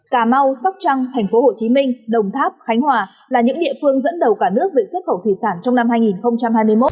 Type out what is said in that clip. cà mau sóc trăng thành phố hồ chí minh đồng tháp khánh hòa là những địa phương dẫn đầu cả nước về xuất khẩu thủy sản trong năm hai nghìn hai mươi một